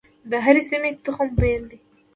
د هرې سیمې تخم بیل دی.